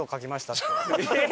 って。